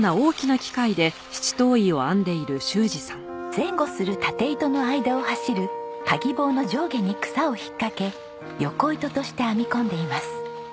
前後する縦糸の間を走る鍵棒の上下に草を引っかけ横糸として編み込んでいます。